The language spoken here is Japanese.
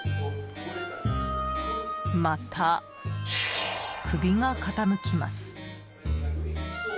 また首が傾きます。